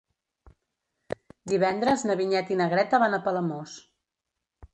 Divendres na Vinyet i na Greta van a Palamós.